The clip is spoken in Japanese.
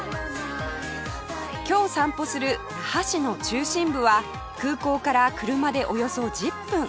今日散歩する那覇市の中心部は空港から車でおよそ１０分